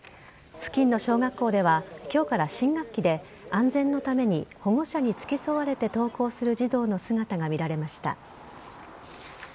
付近の小学校では今日から新学期で安全のために保護者に付き添われて登校する児童の姿が見られました。